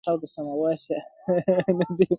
څوک وايي نر دی څوک وايي ښځه!!